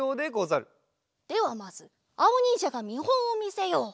ではまずあおにんじゃがみほんをみせよう。